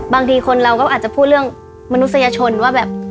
บางทีคนเราก็อาจจะพูดเรื่องมนุษยชนว่าแบบ